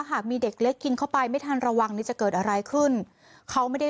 หากมีเด็กเล็กกินเข้าไปไม่ทันระวังนี่จะเกิดอะไรขึ้นเขาไม่ได้